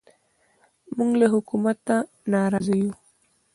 موږ له حکومته نارازه یو